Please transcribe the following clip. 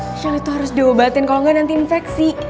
michelle itu harus diobatin kalau gak nanti infeksi